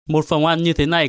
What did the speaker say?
một phòng ăn như thế này